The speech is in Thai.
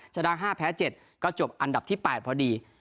ชนะ๕แพ้๗ก็จบอันดับที่๘พอดี